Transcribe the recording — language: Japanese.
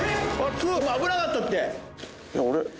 今危なかったって。